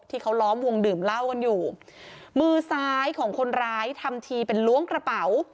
ที่เขาล้อมวงดื่มเหล้ากันอยู่มือซ้ายของคนร้ายทำทีเป็นล้วงกระเป๋า